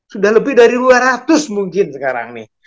sudah lebih dari dua ratus mungkin sekarang nih